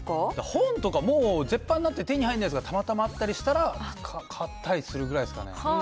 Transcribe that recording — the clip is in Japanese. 本とか、もう絶版になってて手に入らないものがたまたまあったりしたら、買ったりするぐらいですかね。